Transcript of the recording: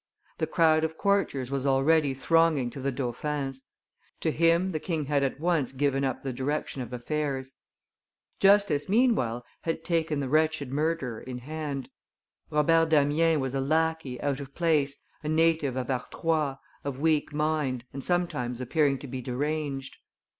The crowd of courtiers was already thronging to the dauphin's. To him the king had at once given up the direction of affairs. [Illustration: Assassination of Louis XV. by Damiens 221] Justice, meanwhile, had taken the wretched murderer in hand. Robert Damiens was a lackey out of place, a native of Artois, of weak mind, and sometimes appearing to be deranged.